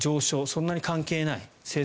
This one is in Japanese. そんなに関係ない。